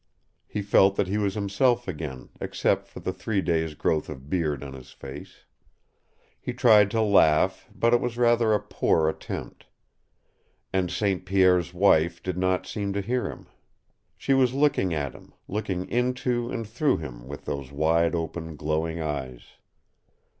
He felt that he was himself again, except for the three days' growth of beard on his face. He tried to laugh, but it was rather a poor attempt. And St. Pierre's wife did not seem to hear him. She was looking at him, looking into and through him with those wide open glowing eyes.